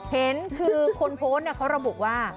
เห็นคือคนโพสต์เขาระบุว่า